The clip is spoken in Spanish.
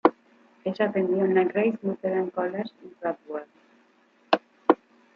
Ella atendió en la Grace Lutheran College, Rothwell.